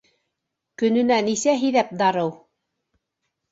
Көнөнә нисә һиҙәп дарыу?